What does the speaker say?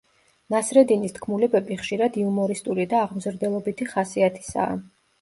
ნასრედინის თქმულებები ხშირად იუმორისტული და აღმზრდელობითი ხასიათისაა.